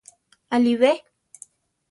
Aʼlí be?